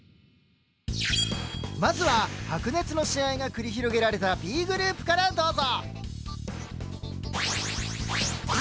まずは白熱の試合が繰り広げられたＢグループからどうぞ。